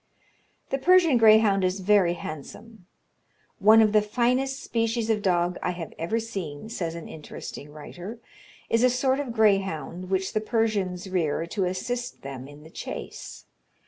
The Persian greyhound is very handsome. "One of the finest species of dog I have ever seen," says an interesting writer, "is a sort of greyhound which the Persians rear to assist them in the chase.